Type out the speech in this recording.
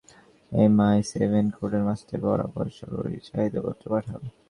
MI-seven quarter-master বরাবর জরুরি চাহিদাপত্র পাঠাও।